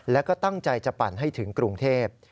แล้วก็ตั้งใจจะปั่นให้ถึงกรุงเทพ